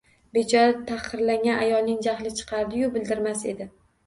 Bechora tahqirlangan ayolining jahli chiqardi yu bildirmas edi